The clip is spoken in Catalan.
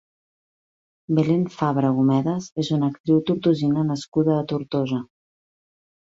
Belén Fabra Homedes és una actriu tortosina nascuda a Tortosa.